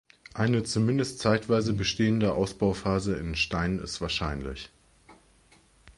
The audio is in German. Eine zumindest zeitweise bestehende Ausbauphase in Stein ist wahrscheinlich.